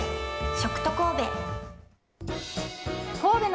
食都神戸。